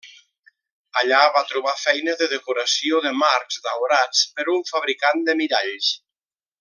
Allà va trobar feina de decoració de marcs daurats per un fabricant de miralls.